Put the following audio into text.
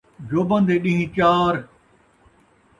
جوبن دے ݙین٘ہہ چار